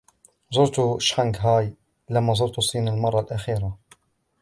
زرتُ شانغهاي لَمَّا زرتُ الصين المرة الأخيرة.